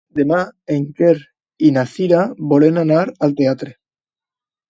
Demà en Quer i na Cira volen anar al teatre.